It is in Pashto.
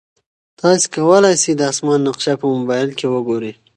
تاسي کولای شئ د اسمان نقشه په موبایل کې وګورئ.